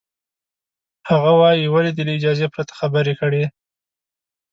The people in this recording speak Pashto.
هغه وایي، ولې دې له اجازې پرته خبرې کړې؟